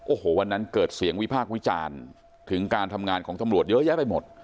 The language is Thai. โอ้โหวันนั้นเกิดเสียงวิพากษ์วิจารณ์ถึงการทำงานของตำรวจเยอะแยะไปหมด